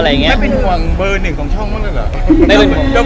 อะไรอย่างเงี้ยไม่เป็นห่วงเบอร์หนึ่งของช่องบ้างเลยเหรอไม่เป็น